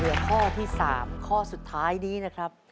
เหลือข้อที่๓ข้อสุดท้ายนี้นะครับ